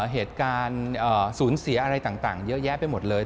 เหตุการณ์สูญเสียอะไรต่างเยอะแยะไปหมดเลย